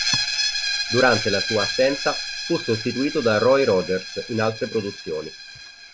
Durante la sua assenza fu sostituito da Roy Rogers in altre produzioni.